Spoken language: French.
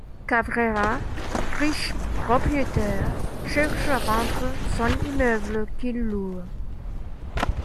Cabrera, riche propriétaire, cherche à vendre son immeuble qu'il loue.